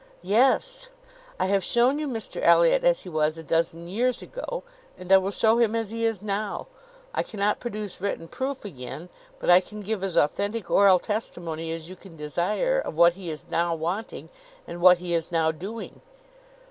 "Yes. I have shewn you Mr Elliot as he was a dozen years ago, and I will shew him as he is now. I cannot produce written proof again, but I can give as authentic oral testimony as you can desire, of what he is now wanting, and what he is now doing.